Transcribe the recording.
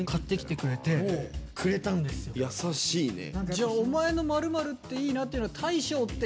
じゃあお前の「○○っていいなぁ」っていうのは。